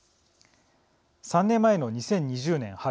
３年前の２０２０年春。